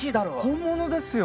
本物ですよね？